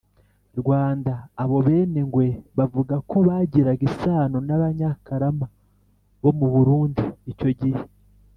rwanda. abo benengwe bavuga ko bagiraga isano n’abanyakarama bo mu burundi. icyo gihe